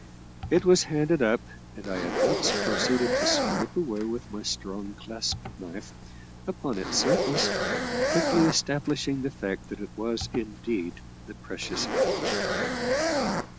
It was handed up, and I at once proceeded to scrape away with my strong clasp knife upon its surface, quickly establishing the fact that it was indeed the precious metal.